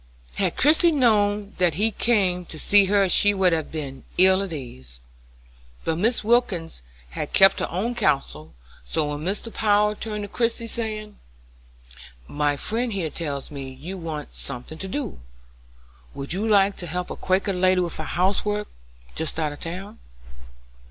Had Christie known that he came to see her she would have been ill at ease; but Mrs. Wilkins had kept her own counsel, so when Mr. Power turned to Christie, saying: "My friend here tells me you want something to do. Would you like to help a Quaker lady with her housework, just out of town?"